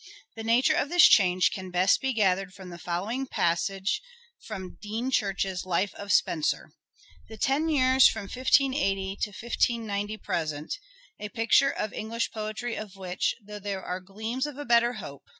The nature of this change can best be gathered from the following passage from Dean Church's " Life of Spenser ":—" The ten years from 1580 to 1590 present ... a picture of English poetry of which, though there are gleams of a better hope